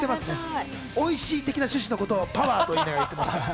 おいしい的な趣旨のことをパワ！と言いながら言ってましたね。